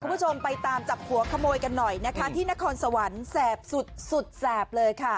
คุณผู้ชมไปตามจับหัวขโมยกันหน่อยนะคะที่นครสวรรค์แสบสุดสุดแสบเลยค่ะ